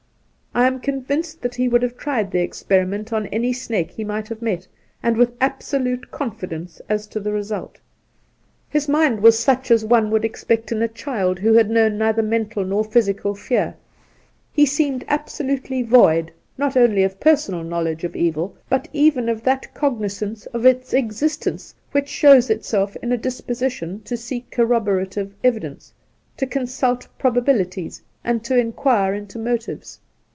I am convinced that he would have tried the experiment on any snake he might have met, and with absolute con fidence as to the result. Soltke 47 His mind was such as one would expect in a child who had known neither mental nor physical fear. He seemed absolutely void, not only of personal knowledge of evil, but even of that cogni zance of its existence which shows itself in a dispo sition to seek corroborative evidence, to consult probabilities, and to inquire into motives.